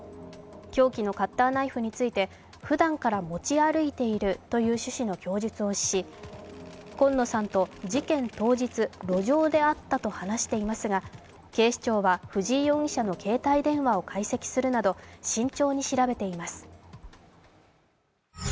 凶器のカッターナイフについてふだんから持ち歩いているという趣旨の供述をし、今野さんと事件当日、路上で会ったと話していますが、警視庁は、藤井容疑者の携帯電話を解析するなど慎重に調べています。